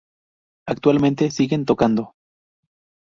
Actualmente siguen tocando.